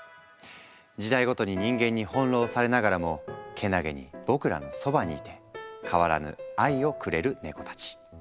時代ごとに人間に翻弄されながらもけなげに僕らのそばにいて変わらぬ「愛」をくれるネコたち。